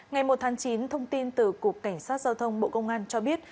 ngày một tháng chín thông tin từ cục cảnh sát giao thông bộ công an cho biết